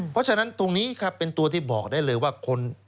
เพราะฉะนั้นตรงนี้ครับเป็นตัวที่บอกได้เลยว่าคน